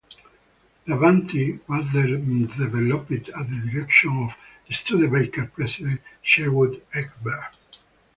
The Avanti was developed at the direction of Studebaker president, Sherwood Egbert.